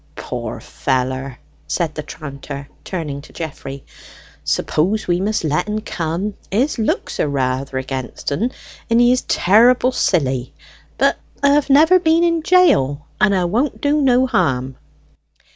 "Poor feller!" said the tranter, turning to Geoffrey. "Suppose we must let en come? His looks are rather against en, and he is terrible silly; but 'a have never been in jail, and 'a won't do no harm."